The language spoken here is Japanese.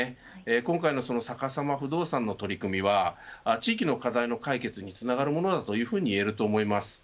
今回のさかさま不動産の取り組みは地域の課題の解決につながるものだというふうにいえると思います。